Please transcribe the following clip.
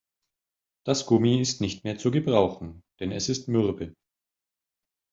Das Gummi ist nicht mehr zu gebrauchen, denn es ist mürbe.